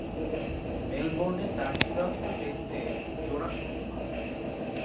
মেলবোর্নে তার চূড়ান্ত টেস্টে জোড়া শূন্য পান।